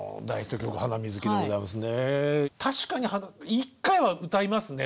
確かに１回は歌いますね